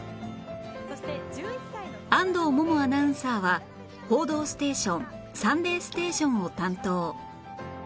安藤萌々アナウンサーは『報道ステーション』『サンデーステーション』を担当